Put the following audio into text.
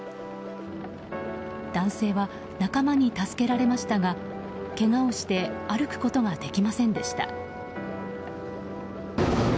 男性は仲間に助けられましたがけがをして歩くことができませんでした。